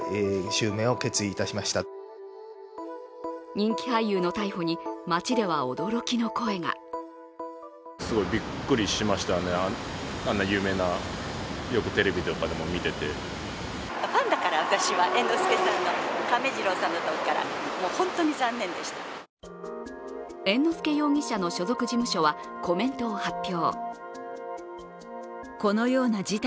人気俳優の逮捕に街では驚きの声が猿之助容疑者の所属事務所はコメントを発表。